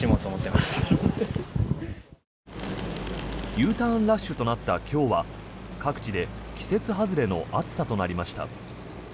Ｕターンラッシュとなった今日は各地で季節外れの暑さとなりました。